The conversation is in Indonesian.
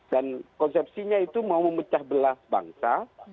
dan konsepsinya itu mau memecah belah bangsa